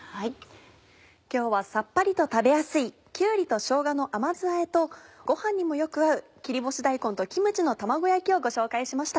今日はさっぱりと食べやすい「きゅうりとしょうがの甘酢あえ」とご飯にもよく合う「切り干し大根とキムチの卵焼き」をご紹介しました